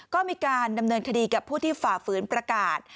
ก็มีการดำเนินคดีกับผู้ที่ฝ่าฝืนประกาศ